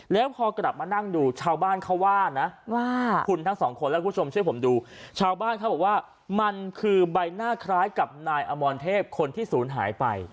แล้วพอกลับมานั่งดูชาวบ้านเขาว่านะว่าคุณทั้งสองคนและคุณผู้ชมช่วยผมดูชาวบ้านเขาบอกว่ามันคือใบหน้าคล้ายกับนายอมรเทพคนที่ศูนย์หายไป